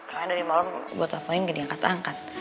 soalnya dari malem gue telfonin gini angkat angkat